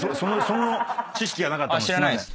その知識がなかったもんで。